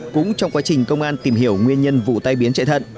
cũng trong quá trình công an tìm hiểu nguyên nhân vụ tai biến chạy thận